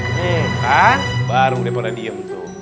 ini kan baru udah pada diem tuh